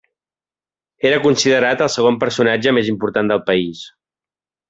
Era considerat el segon personatge més important del país.